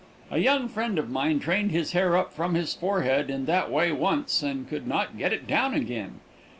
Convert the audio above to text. A young friend of mine trained his hair up from his forehead in that way once and could not get it down again.